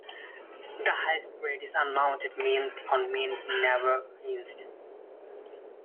The highest grade is "unmounted mint" or "mint never hinged".